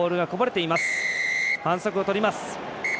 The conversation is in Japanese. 反則をとります。